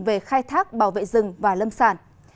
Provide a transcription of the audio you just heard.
về khai thác bảo vệ rừng và lâm sản